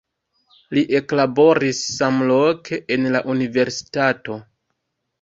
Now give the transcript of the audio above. Li eklaboris samloke en la universitato.